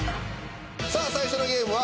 さあ最初のゲームは。